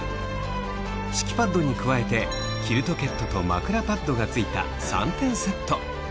敷きパッドに加えてキルトケットと枕パッドが付いた３点セット